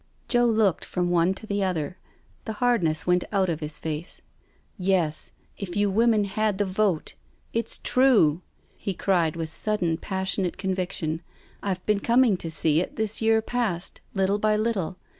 Joe looked from one to the other; the hardness went out of his face: "Yes, if you women had the vote— it's true I" he cried with sudden passionate conviction. "I've been cominj^ to see it this year past— little by little.